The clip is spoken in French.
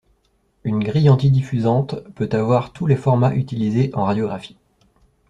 Une grille antidiffusante peut avoir tous les formats utilisés en radiographie.